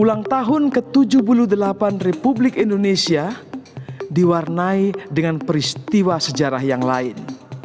ulang tahun ke tujuh puluh delapan republik indonesia diwarnai dengan peristiwa sejarah yang lain